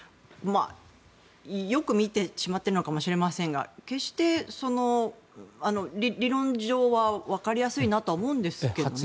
よく見てしまっているのかもしれませんが理論上は分かりやすいなとは思うんですけどね。